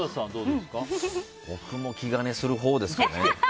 僕も気兼ねするほうですかね。